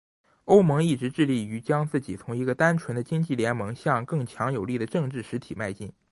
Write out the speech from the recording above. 欧盟一直致力于将自己从一个单纯的经济联盟向更强有力的政治实体迈进。